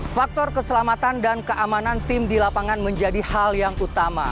faktor keselamatan dan keamanan tim di lapangan menjadi hal yang utama